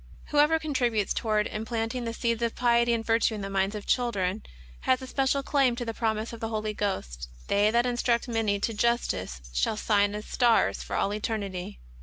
Whoever contributes toward implant ing the seeds of piety and virtue in the minds of chil dren, has a special claim to the promise of the Holy Ghost :" They that instruct many to justice, shall shine as stars for all eternity."